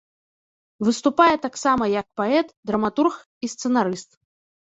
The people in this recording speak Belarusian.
Выступае таксама як паэт, драматург і сцэнарыст.